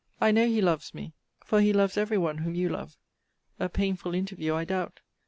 I know he loves me: for he loves every one whom you love. A painful interview, I doubt!